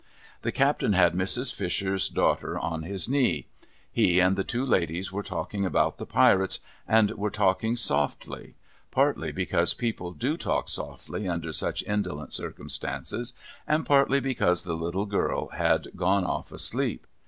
The Captain had Mrs. Fisher's tlaughtt r on his knee. He and the two ladies were talking about the PinUes, and were talking softly ; partly, because people do talk CAPTAIN CARTON'S SPANISH GUN 179 softly under such indolent circumstances, and partly because the little girl had gone off asleep.